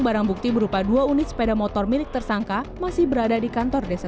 barang bukti berupa dua unit sepeda motor milik tersangka masih berada di kantor desa